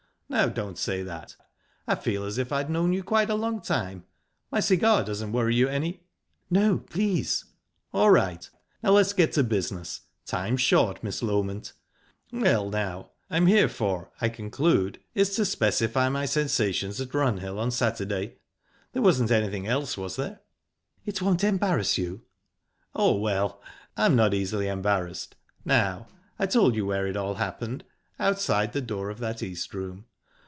"Now, don't say that; I feel as if I'd known you quite a long time ...My cigar doesn't worry you any?" "No, please..." "All right. Now let's get to business. Time's short, Miss Loment. Well, now I'm here for, I conclude, is to specify my sensations at Runhill on Saturday. There wasn't anything else, was there?" "It won't embarrass you?" "Oh well, I'm not easily embarrassed...Now, I told you where it all happened. Outside the door of that East Room.